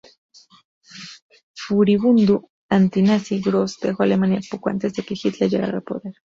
Furibundo antinazi, Grosz dejó Alemania poco antes de que Hitler llegara al poder.